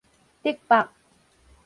竹北